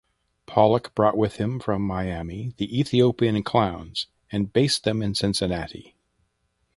Pollock brought with him from Miami the Ethiopian Clowns and based them in Cincinnati.